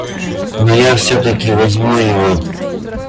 Но я всё-таки возьму его.